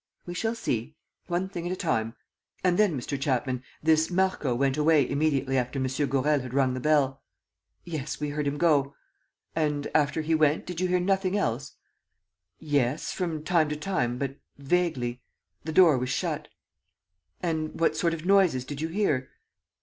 "We shall see. ... One thing at a time. ... And then, Mr. Chapman, this Marco went away immediately after M. Gourel had rung the bell?" "Yes, we heard him go." "And after he went, did you hear nothing else?" "Yes ... from time to time, but vaguely. ... The door was shut." "And what sort of noises did you hear?"